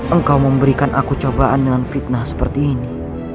engkau memberikan aku cobaan dengan fitnah seperti ini